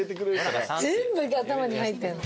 全部頭に入ってんの。